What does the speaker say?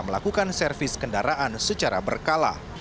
melakukan servis kendaraan secara berkala